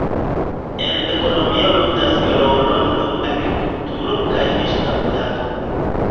En ekonomio ludas rolon nur agrikulturo kaj fiŝkaptado.